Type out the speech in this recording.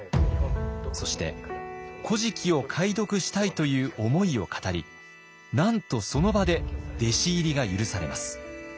そして「古事記」を解読したいという思いを語りなんとその場で弟子入りが許されます。